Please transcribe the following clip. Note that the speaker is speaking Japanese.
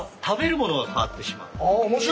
あっ面白い！